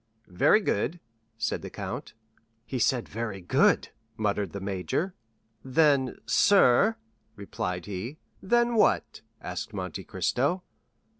"Very good," said the count. "He said 'very good,'" muttered the major, "then—sir——" replied he. "Then what?" asked Monte Cristo.